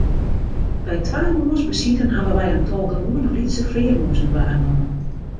By twa moarnsbesiten hawwe wy in tal gewoane lytse flearmûzen waarnommen.